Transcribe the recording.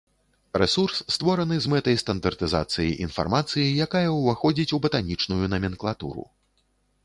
Рэсурс створаны з мэтай стандартызацыі інфармацыі, якая ўваходзіць у батанічную наменклатуру.